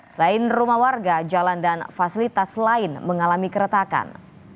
selain rumah warga jalan dan fasilitas lain mengalami keretakan